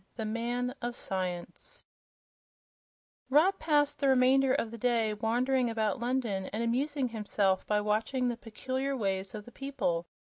The Man of Science Rob passed the remainder of the day wandering about London and amusing himself by watching the peculiar ways of the people.